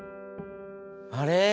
あれ？